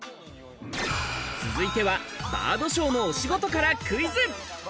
続いてはバードショーのお仕事からクイズ。